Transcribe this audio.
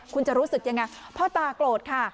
คุณจะรู้สึกยังไงพ่อตาโกรธค่ะ